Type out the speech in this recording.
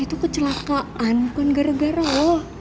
itu kecelakaan bukan gara gara loh